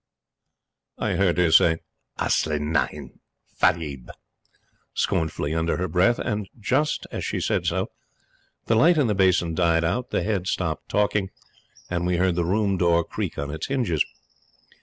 I heard her say "Asli nahin! Fareib!" scornfully under her breath; and just as she said so, the light in the basin died out, the head stopped talking, and we heard the room door creak on its hinges.